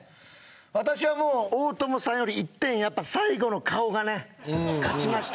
私はもう大友さんより１点やっぱ最後の顔がね勝ちました